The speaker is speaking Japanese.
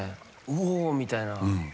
おおみたいな。